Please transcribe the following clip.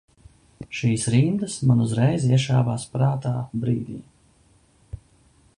Šīs rindas man uzreiz iešāvās prātā brīdī.